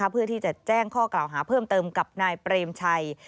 เพื่อที่จะแจ้งข้อกล่าวหาเพิ่มเติมกับนายเปรมชัย